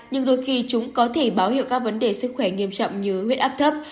nhưng đôi khi chúng có thể báo hiệu các vấn đề sức khỏe nghiêm trọng như huyết áp thấp